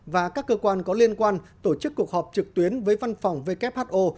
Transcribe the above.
và các cơ quan có liên quan tổ chức cuộc họp trực tuyến với văn phòng who